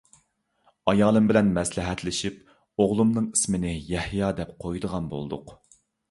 ئايالىم بىلەن مەسلىھەتلىشىپ، ئوغلۇمنىڭ ئىسمىنى «يەھيا» دەپ قويىدىغان بولدۇق.